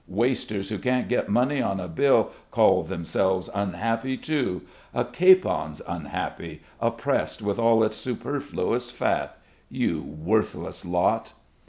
Wasters who can't get money on a bill call themselves unhappy too. A capon's unhappy, oppressed with all its superfluous fat. You worthless lot!"